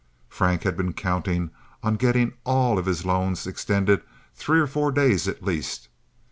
Frank had been counting on getting all of his loans extended three or four days at least.